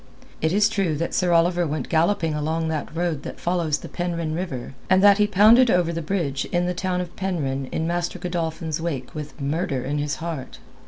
It is true that Sir Oliver went galloping along that road that follows the Penryn river and that he pounded over the bridge in the town of Penryn in Master Godolphin's wake with murder in his heart.